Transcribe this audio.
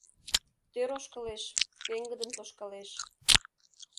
Тӧр ошкылеш, пеҥгыдын тошкалеш.